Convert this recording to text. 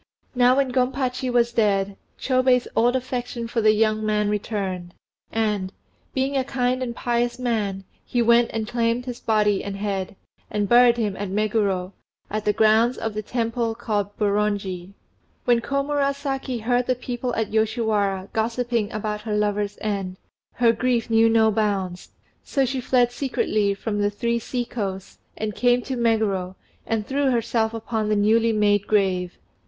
Now when Gompachi was dead, Chôbei's old affection for the young man returned, and, being a kind and pious man, he went and claimed his body and head, and buried him at Meguro, in the grounds of the Temple called Boronji. When Komurasaki heard the people at Yoshiwara gossiping about her lover's end, her grief knew no bounds, so she fled secretly from "The Three Sea coasts," and came to Meguro and threw herself upon the newly made grave.